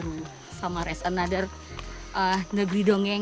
kami akan menemukan pantai dan menemukan peluang